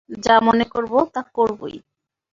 যা মনে করব, তা করবই।